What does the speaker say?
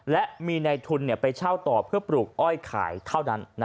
และมีในทุนไปเช่าต่อเพื่อปลูกอ้อยขายเท่านั้น